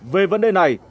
về vấn đề này